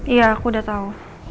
iya aku udah tahu